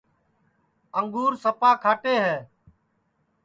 انگور سپا کھاٹے ہے